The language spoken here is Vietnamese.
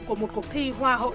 của một cuộc thi hoa hậu